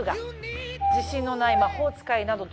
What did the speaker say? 自信のない魔法使いなどと出会い